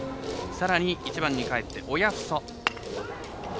さらに１番にかえって親富祖。